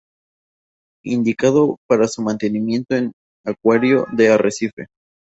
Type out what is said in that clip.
Indicado para su mantenimiento en acuario de arrecife.